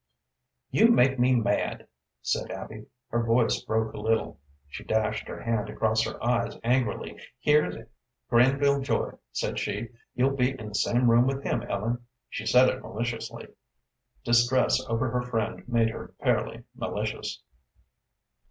"You make me mad," said Abby. Her voice broke a little. She dashed her hand across her eyes angrily. "Here's Granville Joy," said she; "you'll be in the same room with him, Ellen." She said it maliciously. Distress over her friend made her fairly malicious.